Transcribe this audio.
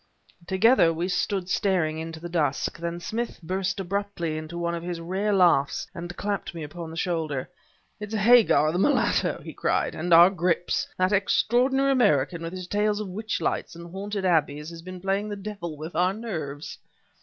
Together we stood staring into the dusk; then Smith burst abruptly into one of his rare laughs, and clapped me upon the shoulder. "It's Hagar, the mulatto!" he cried "and our grips. That extraordinary American with his tales of witch lights and haunted abbeys has been playing the devil with our nerves."